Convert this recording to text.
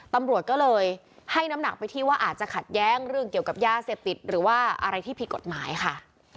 ตำรวจก็เลยให้น้ำหนักไปที่ว่าอาจจะขัดแย้งเรื่องเกี่ยวกับยาเสพติดหรือว่าอะไรที่ผิดกฎหมายค่ะ